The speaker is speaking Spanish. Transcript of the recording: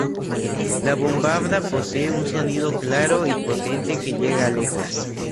La bombarda posee un sonido claro y potente, que llega lejos.